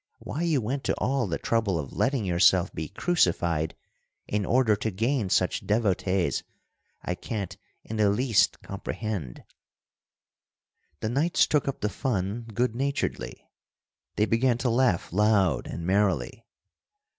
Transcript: Why you went to all the trouble of letting yourself be crucified in order to gain such devotees, I can't in the least comprehend.'" The knights took up the fun good naturedly. They began to laugh loud and merrily.